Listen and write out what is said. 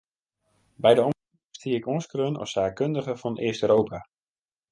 By de omrop stie ik oanskreaun as saakkundige foar East-Europa.